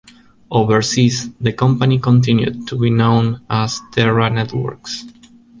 Overseas, the company continued to be known as Terra Networks.